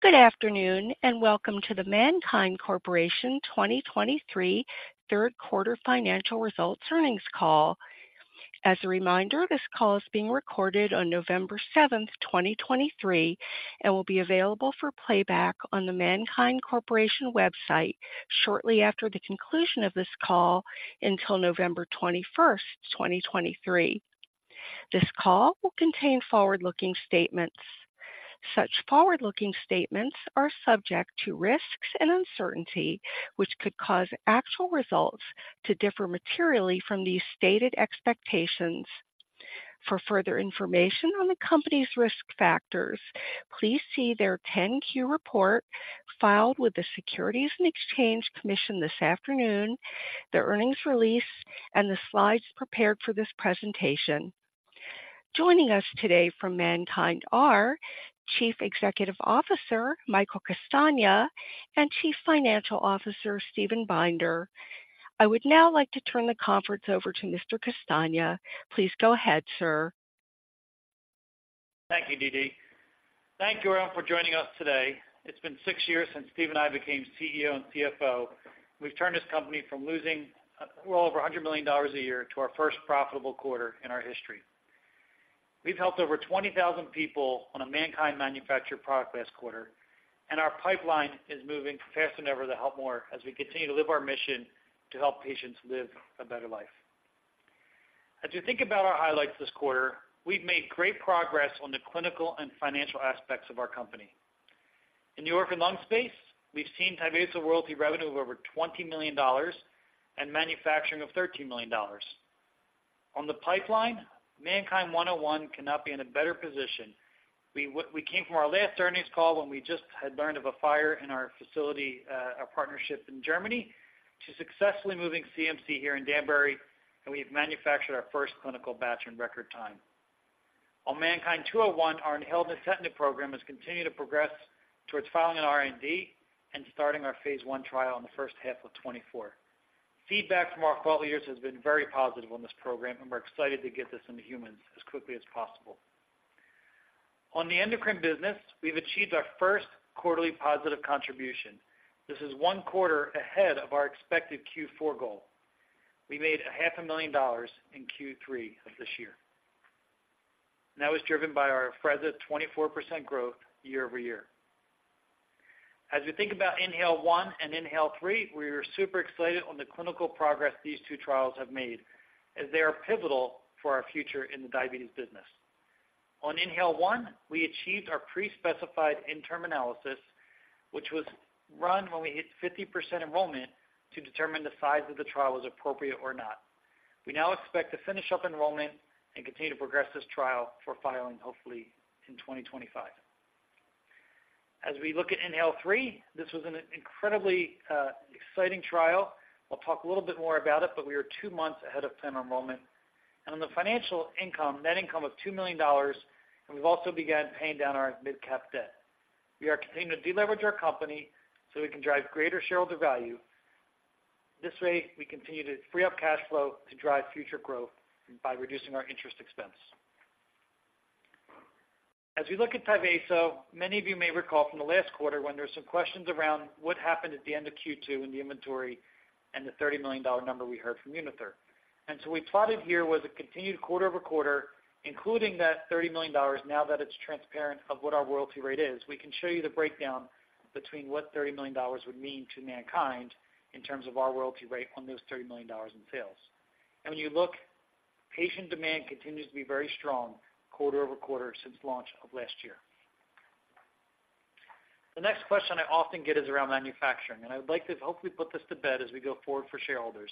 Good afternoon, and welcome to the MannKind Corporation 2023 third quarter financial results earnings call. As a reminder, this call is being recorded on November 7th, 2023, and will be available for playback on the MannKind Corporation website shortly after the conclusion of this call until November 21st, 2023. This call will contain forward-looking statements. Such forward-looking statements are subject to risks and uncertainty, which could cause actual results to differ materially from these stated expectations. For further information on the company's risk factors, please see their 10-Q report filed with the Securities and Exchange Commission this afternoon, the earnings release, and the slides prepared for this presentation. Joining us today from MannKind are Chief Executive Officer, Michael Castagna, and Chief Financial Officer, Steven Binder. I would now like to turn the conference over to Mr. Castagna. Please go ahead, sir. Thank you, DeeDee. Thank you all for joining us today. It's been six years since Steve and I became CEO and CFO. We've turned this company from losing well over $100 million a year to our first profitable quarter in our history. We've helped over 20,000 people on a MannKind manufactured product last quarter, and our pipeline is moving faster than ever to help more as we continue to live our mission to help patients live a better life. As you think about our highlights this quarter, we've made great progress on the clinical and financial aspects of our company. In the orphan lung space, we've seen Tyvaso royalty revenue of over $20 million and manufacturing of $13 million. On the pipeline, MannKind 101 cannot be in a better position. We came from our last earnings call when we just had learned of a fire in our facility, our partnership in Germany, to successfully moving CMC here in Danbury, and we've manufactured our first clinical batch in record time. On MannKind 201, our nintedanib program has continued to progress towards filing an IND and starting our Phase I trial in the first half of 2024. Feedback from our thought leaders has been very positive on this program, and we're excited to get this into humans as quickly as possible. On the endocrine business, we've achieved our first quarterly positive contribution. This is one quarter ahead of our expected Q4 goal. We made $500,000 in Q3 of this year. That was driven by our Afrezza 24% growth year-over-year. As we think about INHALE-1 and INHALE-3, we are super excited on the clinical progress these two trials have made, as they are pivotal for our future in the diabetes business. On INHALE-1, we achieved our pre-specified interim analysis, which was run when we hit 50% enrollment to determine the size of the trial was appropriate or not. We now expect to finish up enrollment and continue to progress this trial for filing, hopefully in 2025. As we look at INHALE-3, this was an incredibly exciting trial. I'll talk a little bit more about it, but we are two months ahead of plan enrollment and on the financial income, net income of $2 million, and we've also began paying down our MidCap debt. We are continuing to deleverage our company so we can drive greater shareholder value. This way, we continue to free up cash flow to drive future growth by reducing our interest expense. As we look at Tyvaso, many of you may recall from the last quarter when there were some questions around what happened at the end of Q2 in the inventory and the $30 million number we heard from United Therapeutics. So what we plotted here was a continued quarter-over-quarter, including that $30 million, now that it's transparent of what our royalty rate is. We can show you the breakdown between what $30 million would mean to MannKind in terms of our royalty rate on those $30 million in sales and when you look, patient demand continues to be very strong quarter-over-quarter since launch of last year. The next question I often get is around manufacturing, and I would like to hopefully put this to bed as we go forward for shareholders.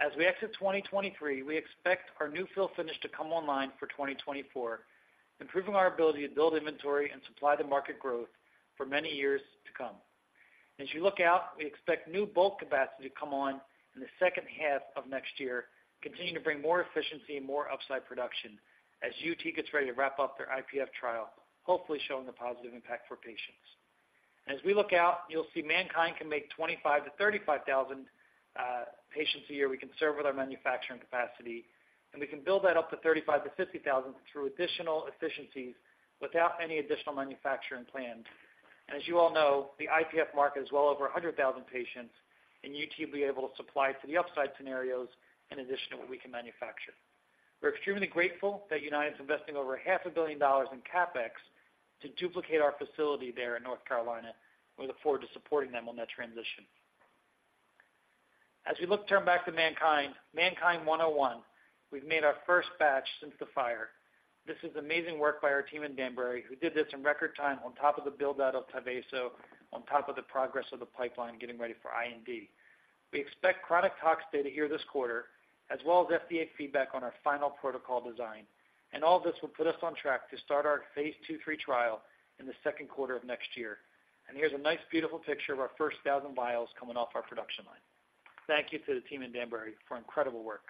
As we exit 2023, we expect our new fill finish to come online for 2024, improving our ability to build inventory and supply the market growth for many years to come. As you look out, we expect new bulk capacity to come on in the second half of next year, continuing to bring more efficiency and more upside production as UT gets ready to wrap up their IPF trial, hopefully showing a positive impact for patients. As we look out, you'll see MannKind can make 25,000-35,000 patients a year we can serve with our manufacturing capacity, and we can build that up to 35,000-50,000 through additional efficiencies without any additional manufacturing plans. As you all know, the IPF market is well over 100,000 patients, and UT will be able to supply to the upside scenarios in addition to what we can manufacture. We're extremely grateful that United is investing over $500 million in CapEx to duplicate our facility there in North Carolina. We look forward to supporting them on that transition. As we look to turn back to MannKind, MannKind 101, we've made our first batch since the fire. This is amazing work by our team in Danbury, who did this in record time on top of the build-out of Tyvaso, on top of the progress of the pipeline, getting ready for IND. We expect chronic tox data here this quarter, as well as FDA feedback on our final protocol design. All this will put us on track to start our Phase II/III trial in the second quarter of next year. Here's a nice, beautiful picture of our first 1,000 vials coming off our production line. Thank you to the team in Danbury for incredible work.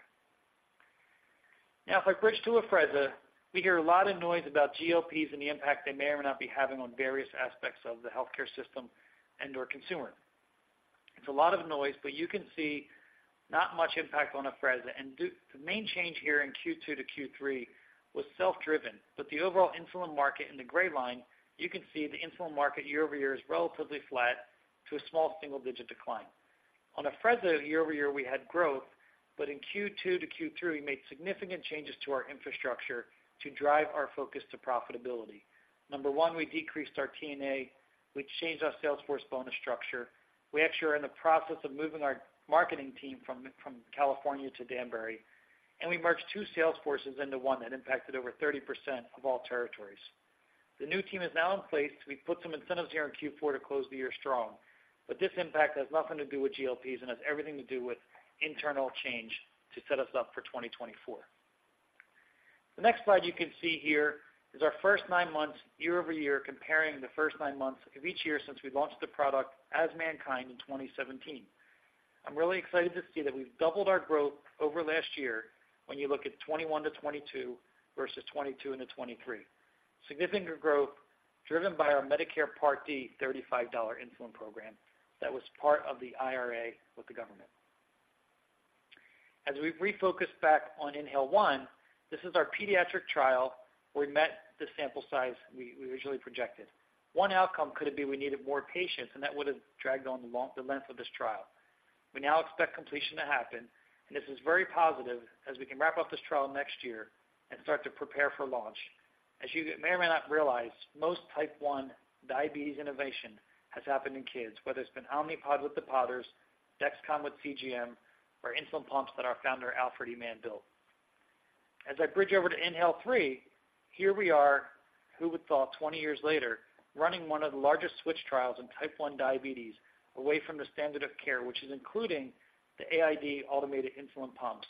Now, if I bridge to Afrezza, we hear a lot of noise about GLPs and the impact they may or may not be having on various aspects of the healthcare system and/or consumer. It's a lot of noise, but you can see not much impact on Afrezza and due to the main change here in Q2 to Q3 was self-driven, but the overall insulin market in the gray line, you can see the insulin market year-over-year is relatively flat to a small single-digit decline. On Afrezza, year-over-year, we had growth, but in Q2 to Q3, we made significant changes to our infrastructure to drive our focus to profitability. Number one, we decreased our T&E. We changed our salesforce bonus structure. We actually are in the process of moving our marketing team from California to Danbury, and we merged two salesforces into one that impacted over 30% of all territories. The new team is now in place. We've put some incentives here in Q4 to close the year strong, but this impact has nothing to do with GLPs and has everything to do with internal change to set us up for 2024. The next slide you can see here is our first nine months, year-over-year, comparing the first nine months of each year since we launched the product as MannKind in 2017. I'm really excited to see that we've doubled our growth over last year when you look at 2021-2022 versus 2022-2023. Significant growth driven by our Medicare Part D $35 insulin program that was part of the IRA with the government. As we've refocused back on INHALE-1, this is our pediatric trial, where we met the sample size we originally projected. One outcome could it be we needed more patients, and that would have dragged on the length of this trial. We now expect completion to happen, and this is very positive as we can wrap up this trial next year and start to prepare for launch. As you may or may not realize, most type 1 diabetes innovation has happened in kids, whether it's been Omnipod with the Podders, Dexcom with CGM, or insulin pumps that our founder, Alfred E. Mann, built. As I bridge over to INHALE-3, here we are, who would thought, 20 years later, running one of the largest switch trials in type 1 diabetes away from the standard of care, which is including the AID automated insulin pumps,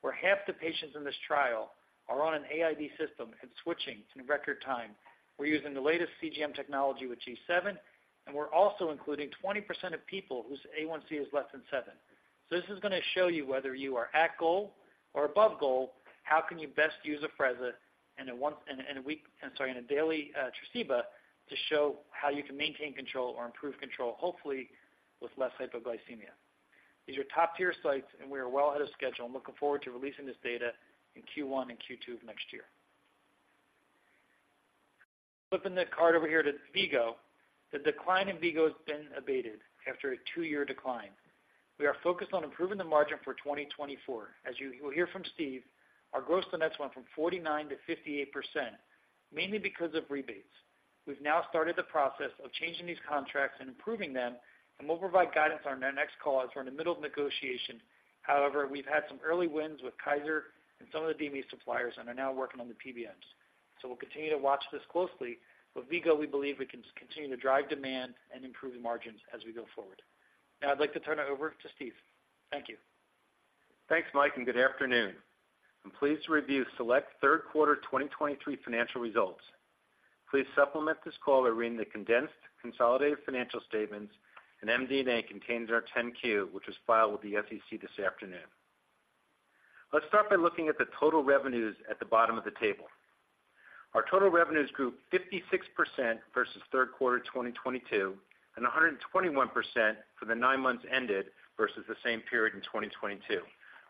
where half the patients in this trial are on an AID system and switching in record time. We're using the latest CGM technology with G7, and we're also including 20% of people whose A1C is less than seven. This is gonna show you whether you are at goal or above goal, how can you best use Afrezza in a once-a-week, sorry, in a daily Tresiba, to show how you can maintain control or improve control, hopefully, with less hypoglycemia. These are top-tier sites, and we are well ahead of schedule and looking forward to releasing this data in Q1 and Q2 of next year. Flipping the card over here to V-Go, the decline in V-Go has been abated after a two-year decline. We are focused on improving the margin for 2024. As you will hear from Steve, our gross-to-nets went from 49%-58%, mainly because of rebates. We've now started the process of changing these contracts and improving them, and we'll provide guidance on our next call, as we're in the middle of negotiation. However, we've had some early wins with Kaiser and some of the DME suppliers and are now working on the PBMs. So we'll continue to watch this closely, but V-Go, we believe we can continue to drive demand and improve the margins as we go forward. Now, I'd like to turn it over to Steve. Thank you. Thanks, Mike, and good afternoon. I'm pleased to review select third quarter 2023 financial results. Please supplement this call by reading the condensed consolidated financial statements, and MD&A contains our 10-Q, which was filed with the SEC this afternoon. Let's start by looking at the total revenues at the bottom of the table. Our total revenues grew 56% versus third quarter 2022, and 121% for the nine months ended versus the same period in 2022,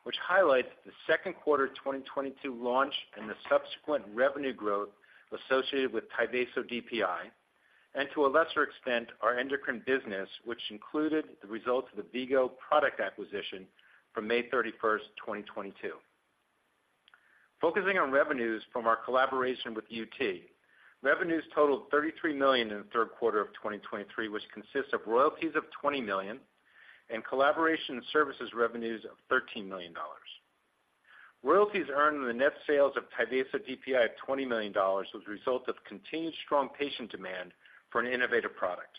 which highlights the second quarter 2022 launch and the subsequent revenue growth associated with Tyvaso DPI, and to a lesser extent, our endocrine business, which included the results of the V-Go product acquisition from May 31, 2022. Focusing on revenues from our collaboration with UT. Revenues totaled $33 million in the third quarter of 2023, which consists of royalties of $20 million and collaboration services revenues of $13 million. Royalties earned in the net sales of Tyvaso DPI of $20 million was a result of continued strong patient demand for an innovative product.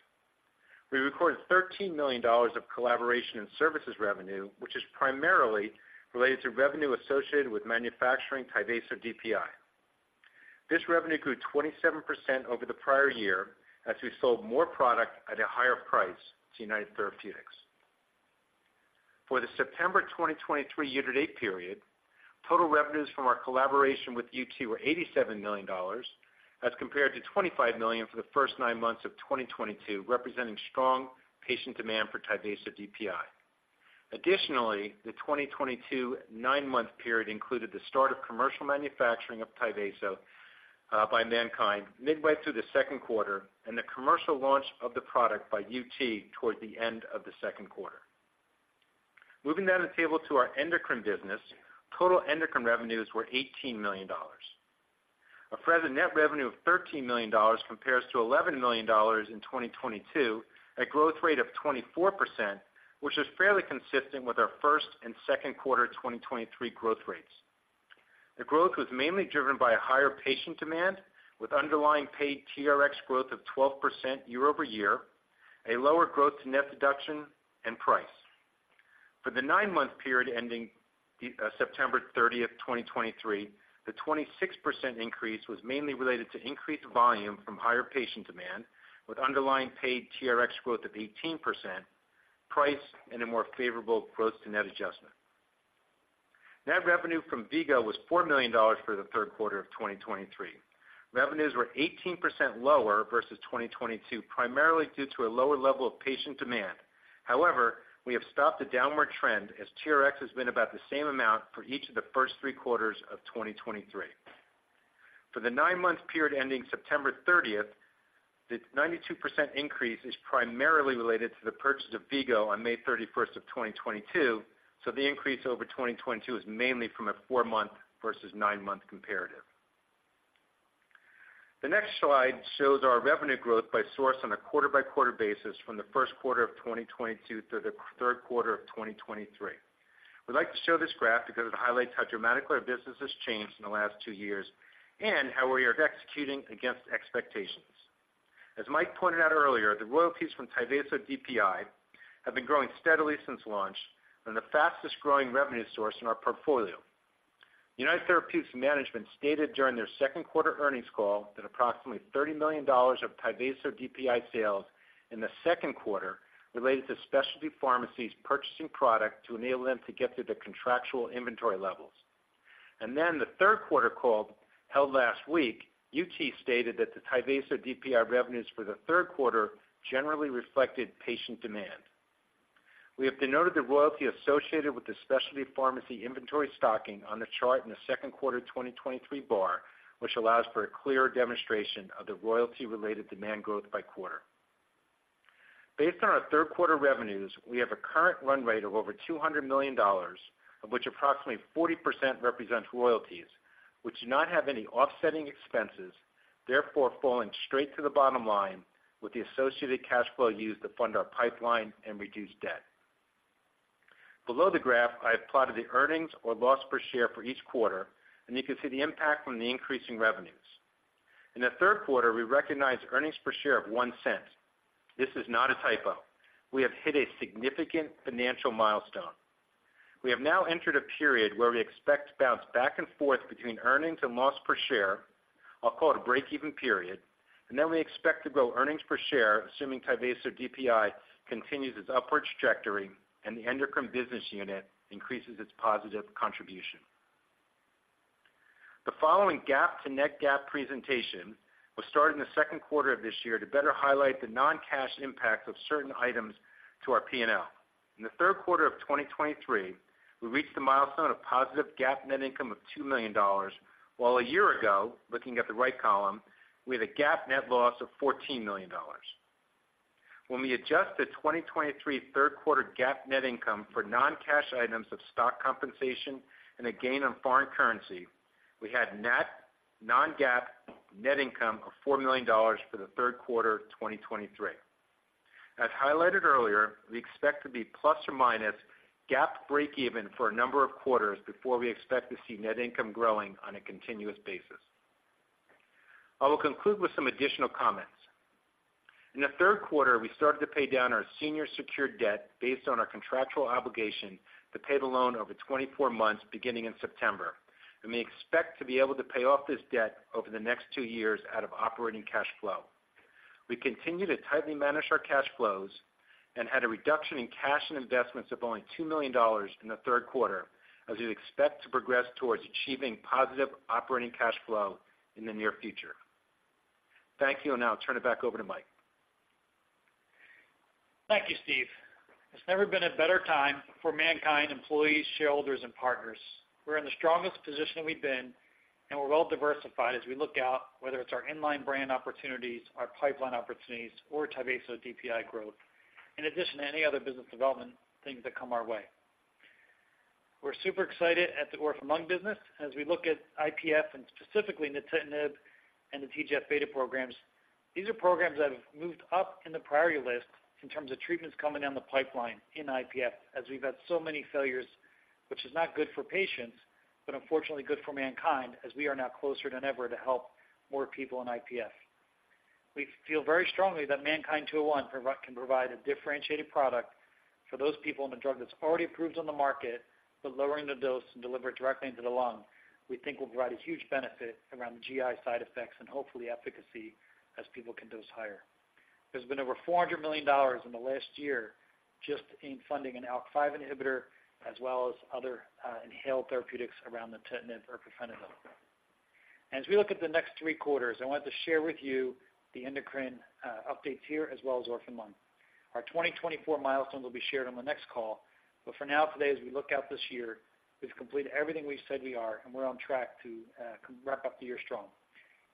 We recorded $13 million of collaboration and services revenue, which is primarily related to revenue associated with manufacturing Tyvaso DPI. This revenue grew 27% over the prior year as we sold more product at a higher price to United Therapeutics. For the September 2023 year-to-date period, total revenues from our collaboration with UT were $87 million, as compared to $25 million for the first nine months of 2022, representing strong patient demand for Tyvaso DPI. Additionally, the 2022 nine-month period included the start of commercial manufacturing of Tyvaso by MannKind midway through the second quarter and the commercial launch of the product by UT toward the end of the second quarter. Moving down the table to our endocrine business. Total endocrine revenues were $18 million. Afrezza net revenue of $13 million compares to $11 million in 2022, a growth rate of 24%, which is fairly consistent with our first and second quarter 2023 growth rates. The growth was mainly driven by a higher patient demand, with underlying paid TRx growth of 12% year-over-year, a lower gross-to-net deduction and price. For the nine-month period ending September 30th, 2023, the 26% increase was mainly related to increased volume from higher patient demand, with underlying paid TRx growth of 18% price and a more favorable gross-to-net adjustment. Net revenue from V-Go was $4 million for the third quarter of 2023. Revenues were 18% lower versus 2022, primarily due to a lower level of patient demand. However, we have stopped the downward trend as TRx has been about the same amount for each of the first three quarters of 2023. For the nine-month period ending September 30th, the 92% increase is primarily related to the purchase of V-Go on May 31st, 2022, so the increase over 2022 is mainly from a four-month versus nine-month comparative. The next slide shows our revenue growth by source on a quarter-by-quarter basis from the first quarter of 2022 through the third quarter of 2023. We'd like to show this graph because it highlights how dramatically our business has changed in the last two years and how we are executing against expectations. As Mike pointed out earlier, the royalties from Tyvaso DPI have been growing steadily since launch and the fastest-growing revenue source in our portfolio. United Therapeutics management stated during their second quarter earnings call that approximately $30 million of Tyvaso DPI sales in the second quarter related to specialty pharmacies purchasing product to enable them to get through their contractual inventory levels. Then the third quarter call, held last week, UT stated that the Tyvaso DPI revenues for the third quarter generally reflected patient demand. We have denoted the royalty associated with the specialty pharmacy inventory stocking on the chart in the second quarter 2023 bar, which allows for a clearer demonstration of the royalty-related demand growth by quarter. Based on our third quarter revenues, we have a current run rate of over $200 million, of which approximately 40% represents royalties, which do not have any offsetting expenses, therefore falling straight to the bottom line with the associated cash flow used to fund our pipeline and reduce debt. Below the graph, I have plotted the earnings or loss per share for each quarter, and you can see the impact from the increasing revenues. In the third quarter, we recognized earnings per share of $0.01. This is not a typo. We have hit a significant financial milestone. We have now entered a period where we expect to bounce back and forth between earnings and loss per share. I'll call it a break-even period, and then we expect to grow earnings per share, assuming Tyvaso DPI continues its upward trajectory and the endocrine business unit increases its positive contribution. The following GAAP to not-GAAP presentation was started in the second quarter of this year to better highlight the non-cash impacts of certain items to our P&L. In the third quarter of 2023, we reached the milestone of positive GAAP net income of $2 million, while a year ago, looking at the right column, we had a GAAP net loss of $14 million. When we adjust the 2023 third quarter GAAP net income for non-cash items of stock compensation and a gain on foreign currency, we had net non-GAAP net income of $4 million for the third quarter 2023. As highlighted earlier, we expect to be ± GAAP break even for a number of quarters before we expect to see net income growing on a continuous basis. I will conclude with some additional comments. In the third quarter, we started to pay down our senior secured debt based on our contractual obligation to pay the loan over 24 months, beginning in September, and we expect to be able to pay off this debt over the next two years out of operating cash flow. We continue to tightly manage our cash flows and had a reduction in cash and investments of only $2 million in the third quarter, as we expect to progress towards achieving positive operating cash flow in the near future. Thank you, and now I'll turn it back over to Mike. Thank you, Steve. There's never been a better time for MannKind employees, shareholders, and partners. We're in the strongest position we've been, and we're well diversified as we look out, whether it's our in-line brand opportunities, our pipeline opportunities, or Tyvaso DPI growth, in addition to any other business development things that come our way. We're super excited at the orphan lung business as we look at IPF and specifically the nintedanib and the TGF-beta programs. These are programs that have moved up in the priority list in terms of treatments coming down the pipeline in IPF, as we've had so many failures, which is not good for patients, but unfortunately good for MannKind, as we are now closer than ever to help more people in IPF. We feel very strongly that MannKind 201 can provide a differentiated product for those people on a drug that's already approved on the market, but lowering the dose and deliver it directly into the lung, we think will provide a huge benefit around the GI side effects and hopefully efficacy as people can dose higher. There's been over $400 million in the last year just in funding an ALK-5 inhibitor, as well as other, inhaled therapeutics around the nintedanib or pirfenidone. As we look at the next three quarters, I wanted to share with you the endocrine updates here, as well as orphan lung. Our 2024 milestones will be shared on the next call, but for now, today, as we look out this year, we've completed everything we've said we are, and we're on track to wrap up the year strong.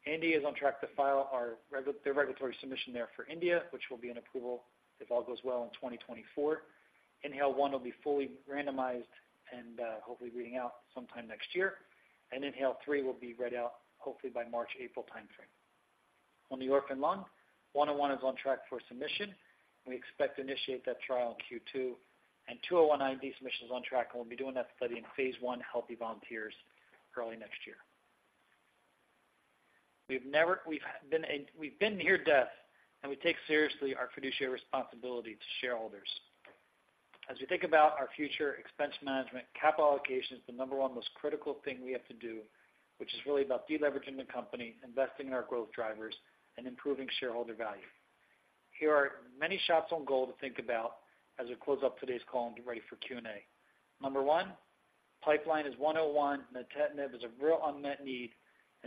Andy is on track to file our the regulatory submission there for India, which will be an approval, if all goes well, in 2024. INHALE-1 will be fully randomized and hopefully reading out sometime next year, and INHALE-3 will be read out hopefully by March, April timeframe. On the orphan lung, 101 is on track for submission, and we expect to initiate that trial in Q2, and 201 IND submission is on track, and we'll be doing that study in phase I healthy volunteers early next year. We've been near death, and we take seriously our fiduciary responsibility to shareholders. As we think about our future expense management, capital allocation is the number one most critical thing we have to do, which is really about deleveraging the company, investing in our growth drivers, and improving shareholder value. There are many shots on goal to think about as we close up today's call and get ready for Q&A. Number one, MNKD-101, and the NTM is a real unmet need.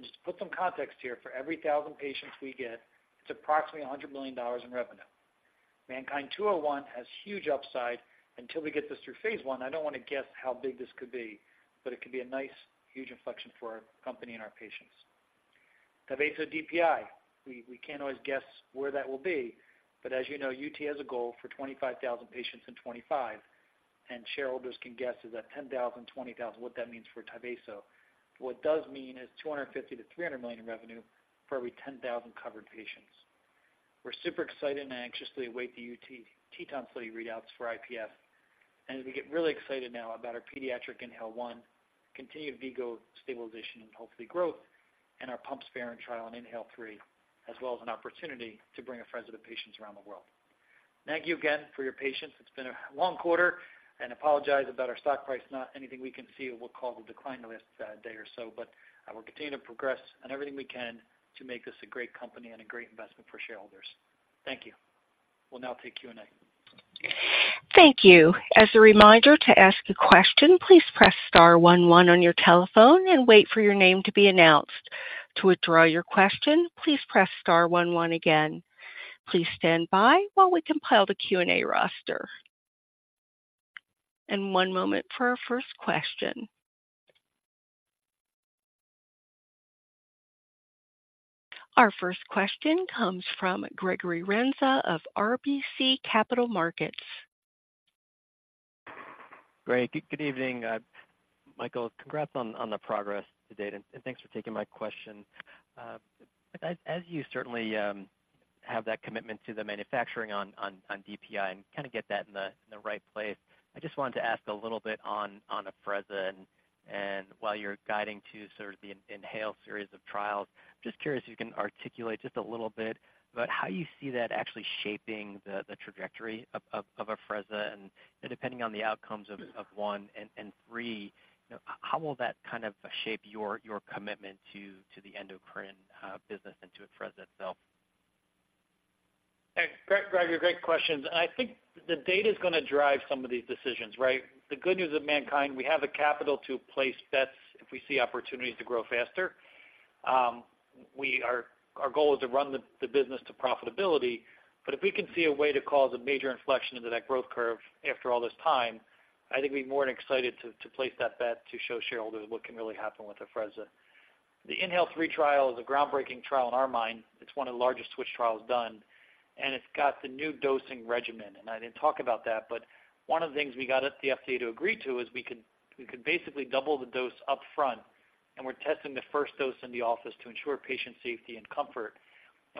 Just to put some context here, for every 1,000 patients we get, it's approximately $100 million in revenue. MNKD-201 has huge upside. Until we get this through Phase I, I don't want to guess how big this could be, but it could be a nice, huge inflection for our company and our patients. Tyvaso DPI, we can't always guess where that will be, but as you know, UT has a goal for 25,000 patients in 25, and shareholders can guess is that 10,000, 20,000, what that means for Tyvaso. What it does mean is $250 million-$300 million in revenue for every 10,000 covered patients. We're super excited and anxiously await the UT Teton study readouts for IPF, and as we get really excited now about our pediatric INHALE-1, continued V-Go stabilization and hopefully growth, and our pump sparing trial and INHALE-3, as well as an opportunity to bring Afrezza to patients around the world. Thank you again for your patience. It's been a long quarter, and apologize about our stock price, not anything we can see what caused the decline in the last day or so, but we'll continue to progress on everything we can to make this a great company and a great investment for shareholders. Thank you. We'll now take Q&A. Thank you. As a reminder to ask a question, please press star one one on your telephone and wait for your name to be announced. To withdraw your question, please press star one one again. Please stand by while we compile the Q&A roster. One moment for our first question. Our first question comes from Gregory Renza of RBC Capital Markets. Great. Good evening, Michael, congrats on the progress to date, and thanks for taking my question. As you certainly have that commitment to the manufacturing on DPI and kind of get that in the right place, I just wanted to ask a little bit on Afrezza, and while you're guiding to sort of the inhale series of trials. Just curious if you can articulate just a little bit about how you see that actually shaping the trajectory of Afrezza, and depending on the outcomes of one and three, how will that kind of shape your commitment to the endocrine business and to Afrezza itself? Hey, Greg-Gregory, great questions. I think the data is going to drive some of these decisions, right? The good news of MannKind, we have the capital to place bets if we see opportunities to grow faster. We are our goal is to run the business to profitability, but if we can see a way to cause a major inflection into that growth curve after all this time. I think we'd be more than excited to place that bet, to show shareholders what can really happen with Afrezza. The INHALE-3 trial is a groundbreaking trial in our mind. It's one of the largest switch trials done, and it's got the new dosing regimen. I didn't talk about that, but one of the things we got the FDA to agree to is we could basically double the dose upfront, and we're testing the first dose in the office to ensure patient safety and comfort.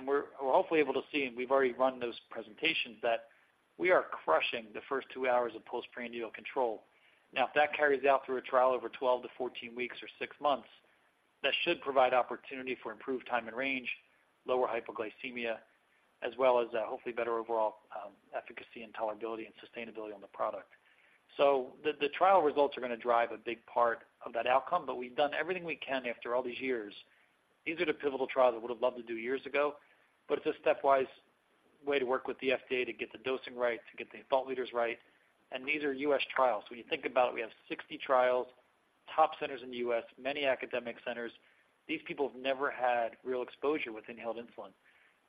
We're hopefully able to see, and we've already run those presentations, that we are crushing the first two hours of postprandial control. Now, if that carries out through a trial over 12-14 weeks or six months, that should provide opportunity for improved time in range, lower hypoglycemia, as well as, hopefully better overall efficacy and tolerability and sustainability on the product. So the trial results are going to drive a big part of that outcome, but we've done everything we can after all these years. These are the pivotal trials I would have loved to do years ago, but it's a stepwise way to work with the FDA to get the dosing right, to get the thought leaders right. These are U.S. trials. When you think about it, we have 60 trials, top centers in the U.S., many academic centers. These people have never had real exposure with inhaled insulin,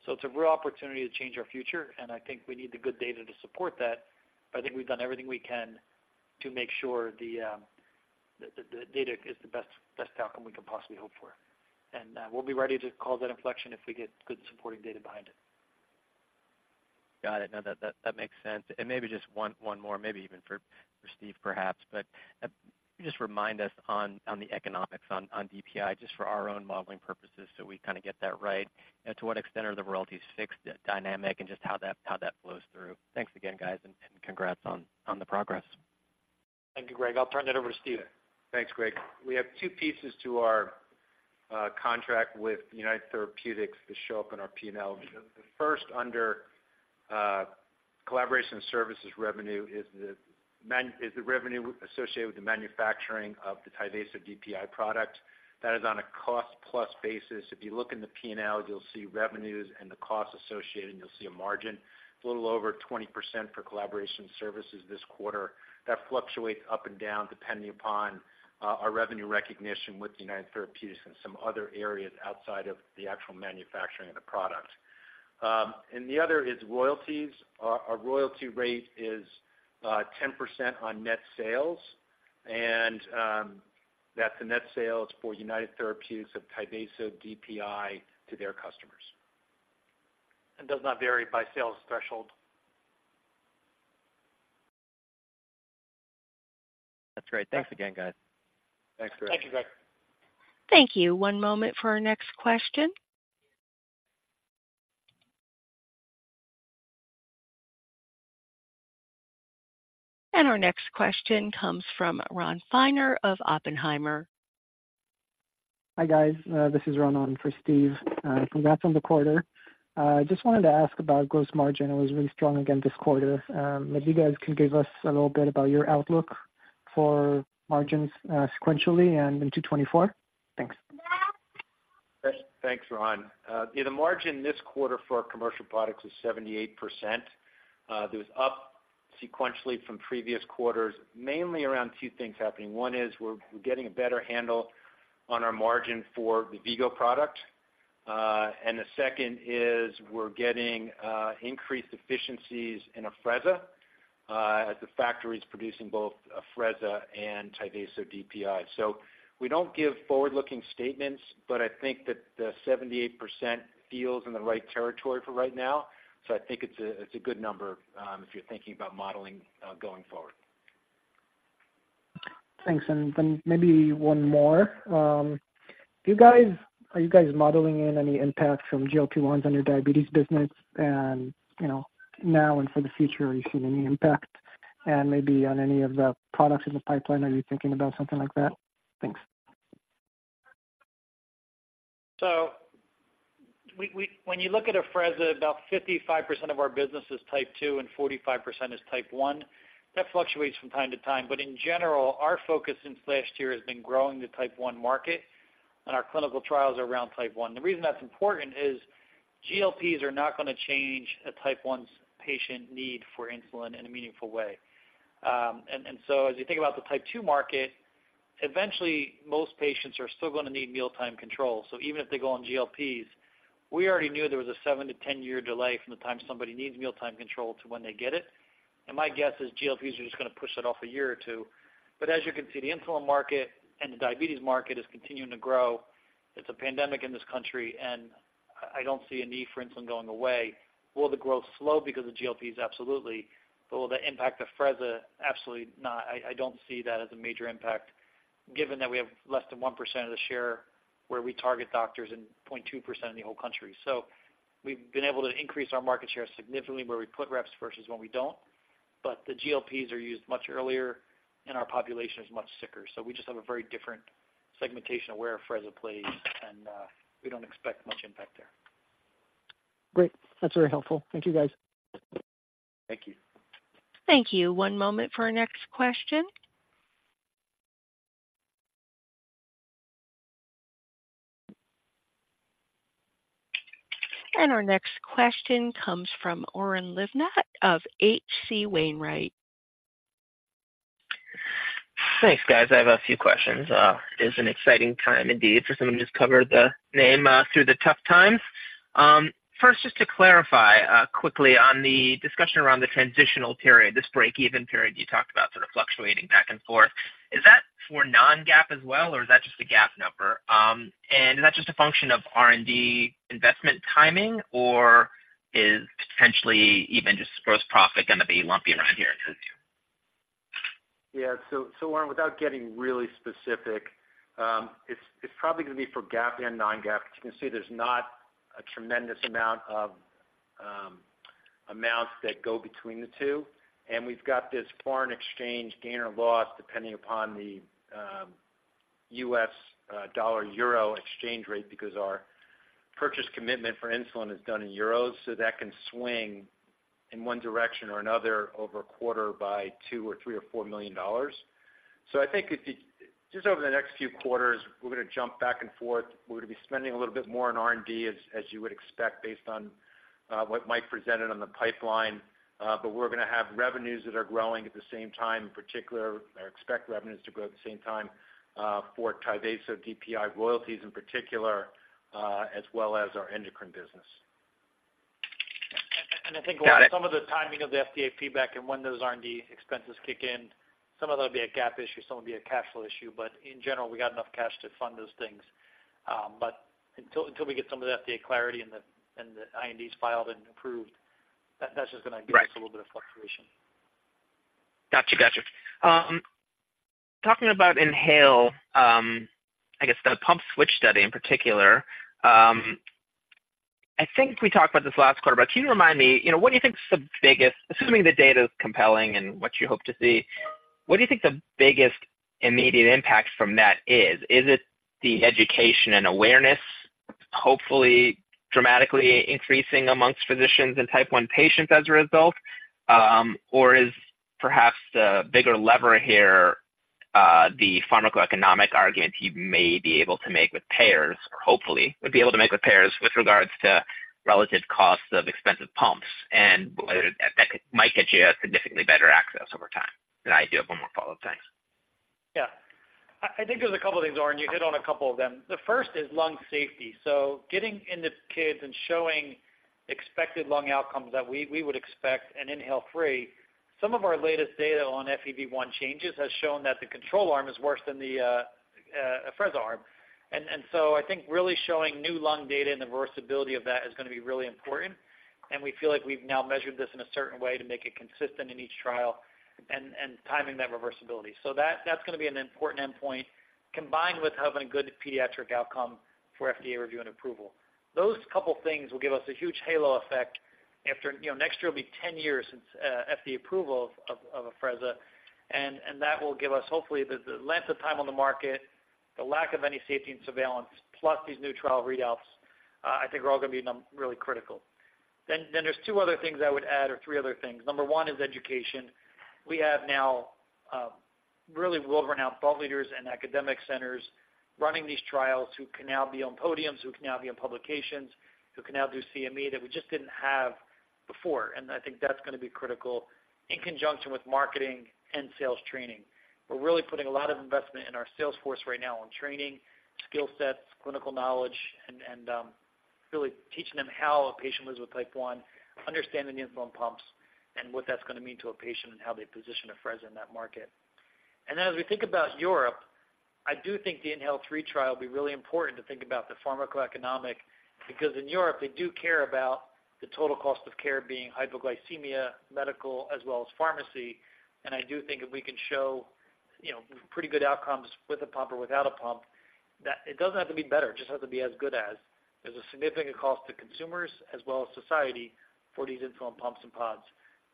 so it's a real opportunity to change our future, and I think we need the good data to support that. But I think we've done everything we can to make sure the data is the best, best outcome we could possibly hope for and we'll be ready to call that inflection if we get good supporting data behind it. Got it. No, that makes sense. Maybe just one more, maybe even for Steve, perhaps, but just remind us on the economics on DPI, just for our own modeling purposes, so we kind of get that right and to what extent are the royalties fixed, dynamic, and just how that flows through? Thanks again, guys, and congrats on the progress. Thank you, Greg. I'll turn it over to Steve. Thanks, Greg. We have two pieces to our contract with United Therapeutics that show up in our PNL. The first under collaboration services revenue is the revenue associated with the manufacturing of the Tyvaso DPI product. That is on a cost plus basis. If you look in the PNL, you'll see revenues and the costs associated, and you'll see a margin a little over 20% for collaboration services this quarter. That fluctuates up and down, depending upon our revenue recognition with United Therapeutics and some other areas outside of the actual manufacturing of the product. The other is royalties. Our royalty rate is 10% on net sales, and that's the net sales for United Therapeutics of Tyvaso DPI to their customers. Does not vary by sales threshold. That's great. Thanks again, guys. Thanks, Greg. Thank you, Greg. Thank you. One moment for our next question. Our next question comes from Ron Feiner of Oppenheimer. Hi, guys. This is Ron on for Steve. Congrats on the quarter. Just wanted to ask about gross margin. It was really strong again this quarter. If you guys can give us a little bit about your outlook for margins, sequentially and into 2024? Thanks. Thanks, Ron. The margin this quarter for our commercial products is 78%. It was up sequentially from previous quarters, mainly around two things happening. One is we're getting a better handle on our margin for the V-Go product. The second is we're getting increased efficiencies in Afrezza as the factory is producing both Afrezza and Tyvaso DPI. So we don't give forward-looking statements, but I think that the 78% feels in the right territory for right now. So I think it's a, it's a good number, if you're thinking about modeling going forward. Thanks. Then maybe one more. Are you guys modeling in any impact from GLP-1s on your diabetes business and, you know, now and for the future, are you seeing any impact? Maybe on any of the products in the pipeline, are you thinking about something like that? Thanks. So when you look at Afrezza, about 55% of our business is Type two, and 45% is Type one. That fluctuates from time to time, but in general, our focus since last year has been growing the Type one market, and our clinical trials around Type one. The reason that's important is GLPs are not going to change a Type one's patient need for insulin in a meaningful way. So as you think about the Type two market, eventually, most patients are still going to need mealtime control. So even if they go on GLPs, we already knew there was a 7-10 year delay from the time somebody needs mealtime control to when they get it and my guess is GLPs are just going to push that off a year or two. But as you can see, the insulin market and the diabetes market is continuing to grow. It's a pandemic in this country, and I don't see a need for insulin going away. Will the growth slow because of GLPs? Absolutely. But will that impact Afrezza? Absolutely not. I don't see that as a major impact, given that we have less than 1% of the share where we target doctors and 0.2% in the whole country. So we've been able to increase our market share significantly where we put reps versus when we don't. But the GLPs are used much earlier, and our population is much sicker. So we just have a very different segmentation of where Afrezza plays, and we don't expect much impact there. Great. That's very helpful. Thank you, guys. Thank you. Thank you. One moment for our next question. Our next question comes from Oren Livnat of HC Wainwright. Thanks, guys. I have a few questions. It's an exciting time indeed for someone who's covered the name through the tough times. First, just to clarify, quickly on the discussion around the transitional period, this breakeven period you talked about sort of fluctuating back and forth. Is that for non-GAAP as well, or is that just a GAAP number and is that just a function of R&D investment timing, or is potentially even just gross profit going to be lumpy around here into 2022? Yeah. So, Oren, without getting really specific, it's probably going to be for GAAP and non-GAAP because you can see there's not a tremendous amount of amounts that go between the two, and we've got this foreign exchange gain or loss, depending upon the U.S. dollar-euro exchange rate, because our purchase commitment for insulin is done in euros, so that can swing in one direction or another over a quarter by $2 million, $3 million, or $4 million. So I think if you just over the next few quarters, we're going to jump back and forth. We're going to be spending a little bit more on R&D, as you would expect, based on what Mike presented on the pipeline. But we're going to have revenues that are growing at the same time, in particular, or expect revenues to grow at the same time, for Tyvaso DPI royalties in particular, as well as our endocrine business. Got it. I think some of the timing of the FDA feedback and when those R&D expenses kick in, some of that'll be a GAAP issue, some will be a cash flow issue, but in general, we got enough cash to fund those things. But until we get some of the FDA clarity and the INDs filed and approved, that's just going to give us a little bit of fluctuation. Got you. Got you. Talking about Inhale, I guess the pump switch study in particular. I think we talked about this last quarter, but can you remind me, you know, what do you think is the biggest--assuming the data is compelling and what you hope to see, what do you think the biggest immediate impact from that is? Is it the education and awareness, hopefully dramatically increasing among physicians and type one patients as a result or is perhaps the bigger lever here, the pharmacoeconomic argument you may be able to make with payers, or hopefully, would be able to make with payers with regards to relative costs of expensive pumps and whether that might get you a significantly better access over time? nd I do have one more follow-up. Thanks. Yeah. I think there's a couple of things, Oren, you hit on a couple of them. The first is lung safety. So getting into kids and showing expected lung outcomes that we would expect in Afrezza. Some of our latest data on FEV1 changes has shown that the control arm is worse than the Afrezza arm. So I think really showing new lung data and the reversibility of that is going to be really important, and we feel like we've now measured this in a certain way to make it consistent in each trial and timing that reversibility. So that's going to be an important endpoint, combined with having a good pediatric outcome for FDA review and approval. Those couple of things will give us a huge halo effect after you know, next year will be 10 years since FDA approval of Afrezza, and that will give us hopefully the length of time on the market, the lack of any safety and surveillance, plus these new trial readouts. I think are all going to be really critical. Then there's two other things I would add, or three other things. Number one is education. We have now really world-renowned thought leaders and academic centers running these trials, who can now be on podiums, who can now be on publications, who can now do CME that we just didn't have before and I think that's gonna be critical in conjunction with marketing and sales training. We're really putting a lot of investment in our sales force right now on training, skill sets, clinical knowledge, and really teaching them how a patient lives with type one, understanding the insulin pumps and what that's gonna mean to a patient and how they position Afrezza in that market. Then as we think about Europe, I do think the INHALE-3 trial will be really important to think about the pharmacoeconomics, because in Europe, they do care about the total cost of care being hypoglycemia, medical, as well as pharmacy and I do think if we can show, you know, pretty good outcomes with a pump or without a pump, that it doesn't have to be better, it just has to be as good as. There's a significant cost to consumers as well as society for these insulin pumps and pods,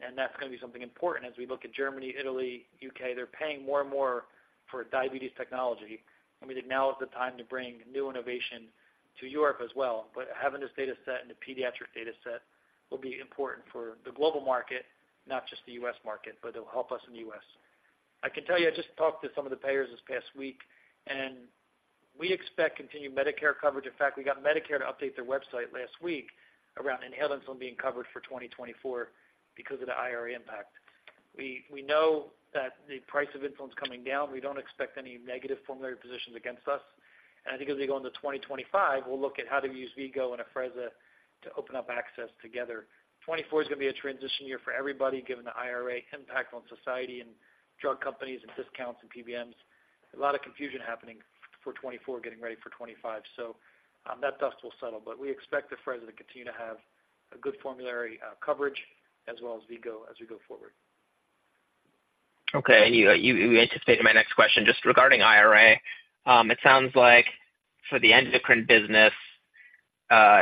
and that's gonna be something important as we look at Germany, Italy, U.K. They're paying more and more for diabetes technology, and we think now is the time to bring new innovation to Europe as well. But having this data set and the pediatric data set will be important for the global market, not just the U.S. market, but it'll help us in the U.S. I can tell you, I just talked to some of the payers this past week, and we expect continued Medicare coverage. In fact, we got Medicare to update their website last week around inhaled insulin being covered for 2024 because of the IRA impact. We know that the price of insulin is coming down. We don't expect any negative formulary positions against us. I think as we go into 2025, we'll look at how to use V-Go and Afrezza to open up access together. 2024 is gonna be a transition year for everybody, given the IRA impact on society and drug companies and discounts and PBMs. A lot of confusion happening for 2024, getting ready for 2025. So, that dust will settle. But we expect Afrezza to continue to have a good formulary coverage as well as V-Go as we go forward. Okay, you anticipated my next question. Just regarding IRA, it sounds like for the endocrine business,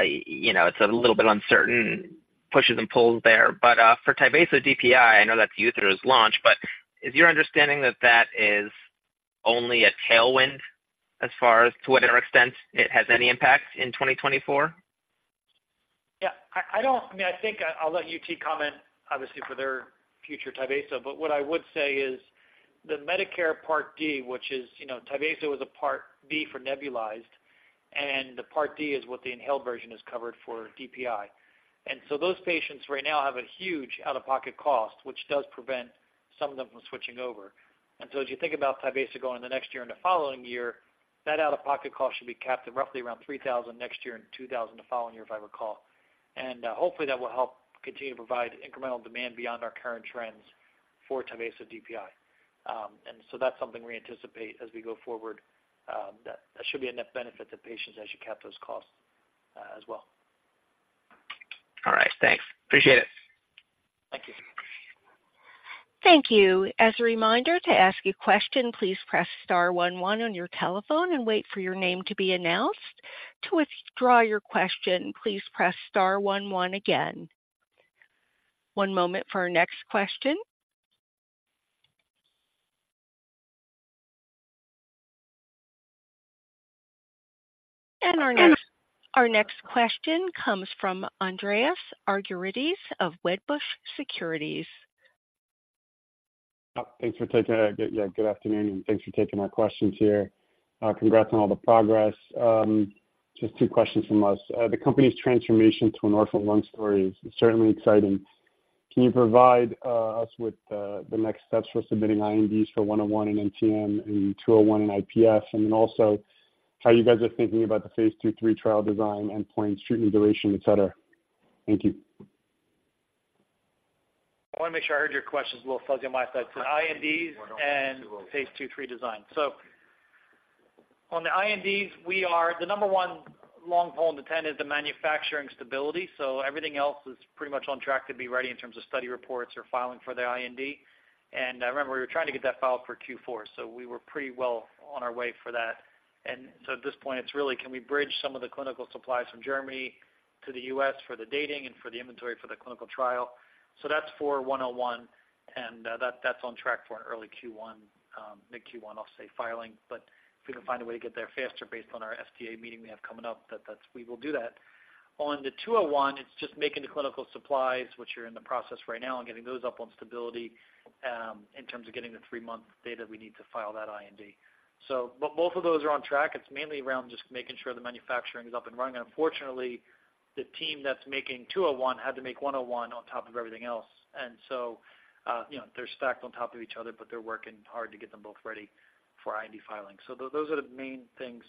you know, it's a little bit uncertain, pushes and pulls there. But, for Tyvaso DPI, I know that's years through its launch, but is your understanding that that is only a tailwind as far as to whatever extent it has any impact in 2024? Yeah, I don't—I mean, I think I'll let UT comment, obviously, for their future Tyvaso, but what I would say is the Medicare Part D, which is, you know, Tyvaso was a Part B for nebulized, and the Part D is what the inhaled version is covered for DPI and so those patients right now have a huge out-of-pocket cost, which does prevent some of them from switching over. So as you think about Tyvaso going in the next year and the following year, that out-of-pocket cost should be capped at roughly around $3,000 next year and $2,000 the following year, if I recall and hopefully, that will help continue to provide incremental demand beyond our current trends for Tyvaso DPI. So that's something we anticipate as we go forward, that should be a net benefit to patients as you cap those costs, as well. All right, thanks. Appreciate it. Thank you. Thank you. As a reminder to ask a question, please press star one one on your telephone and wait for your name to be announced. To withdraw your question, please press star one one again. One moment for our next question. Our next, our next question comes from Andreas Argyrides of Wedbush Securities. Yeah, good afternoon, and thanks for taking my questions here. Congrats on all the progress. Just two questions from us. The company's transformation to an orphan lung story is certainly exciting. Can you provide us with the next steps for submitting INDs for 101 and NTM and 201 and IPF, and then also how you guys are thinking about the Phase II, III trial design, endpoint, treatment duration, et cetera? Thank you. I wanna make sure I heard your questions. A little fuzzy on my side. So INDs and Phase II, III design. So on the INDs, we are, the number one long pole in the tent is the manufacturing stability, so everything else is pretty much on track to be ready in terms of study reports or filing for the IND and I remember we were trying to get that filed for Q4, so we were pretty well on our way for that. So at this point, it's really can we bridge some of the clinical supplies from Germany to the U.S. for the dating and for the inventory for the clinical trial? So that's for 101, and that that's on track for an early Q1, mid-Q1, I'll say, filing, but if we can find a way to get there faster based on our FDA meeting we have coming up, that's we will do that. On the 201, it's just making the clinical supplies, which are in the process right now, and getting those up on stability, in terms of getting the three-month data we need to file that IND. But both of those are on track. It's mainly around just making sure the manufacturing is up and running. Unfortunately, the team that's making 201 had to make 101 on top of everything else, and so, you know, they're stacked on top of each other, but they're working hard to get them both ready for IND filing. So those are the main things,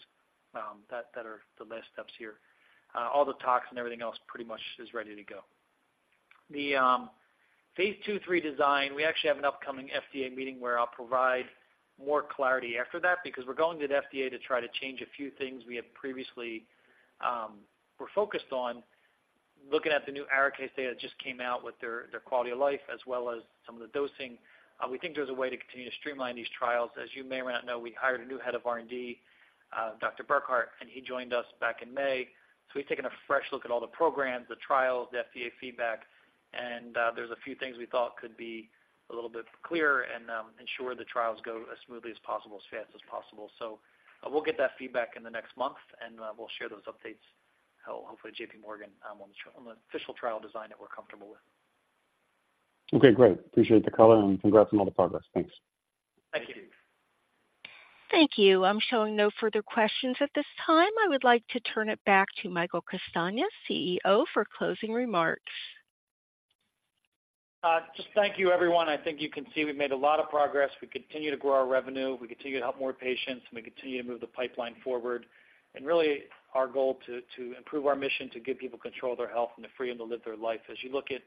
that are the last steps here. All the talks and everything else pretty much is ready to go. The Phase II, III design, we actually have an upcoming FDA meeting where I'll provide more clarity after that, because we're going to the FDA to try to change a few things we have previously, we're focused on looking at the new ARIC case data that just came out with their quality of life, as well as some of the dosing. We think there's a way to continue to streamline these trials. As you may or may not know, we hired a new head of R&D, Dr. Burkhard, and he joined us back in May. So we've taken a fresh look at all the programs, the trials, the FDA feedback, and there's a few things we thought could be a little bit clearer and ensure the trials go as smoothly as possible, as fast as possible. So we'll get that feedback in the next month, and we'll share those updates, hopefully, J.P. Morgan, on the official trial design that we're comfortable with. Okay, great. Appreciate the color, and congrats on all the progress. Thanks. Thank you. Thank you. I'm showing no further questions at this time. I would like to turn it back to Michael Castagna, CEO, for closing remarks. Just thank you, everyone. I think you can see we've made a lot of progress. We continue to grow our revenue, we continue to help more patients, and we continue to move the pipeline forward and really, our goal to improve our mission, to give people control of their health and the freedom to live their life. As you look at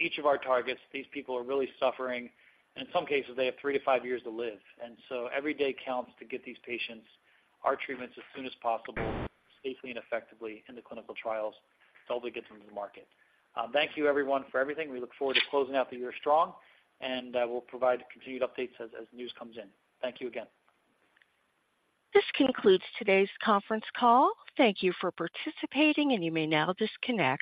each of our targets, these people are really suffering, and in some cases, they have three to five years to live. So every day counts to get these patients our treatments as soon as possible, safely and effectively in the clinical trials to hopefully get them to the market. Thank you, everyone, for everything. We look forward to closing out the year strong, and we'll provide continued updates as news comes in. Thank you again. This concludes today's conference call. Thank you for participating, and you may now disconnect.